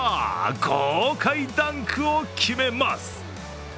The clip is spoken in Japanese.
豪快ダンクを決めます。